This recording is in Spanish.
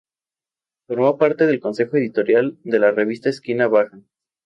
Formó parte del Consejo Editorial de la Revista Esquina Baja.